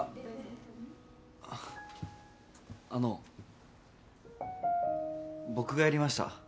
あっあの僕がやりました。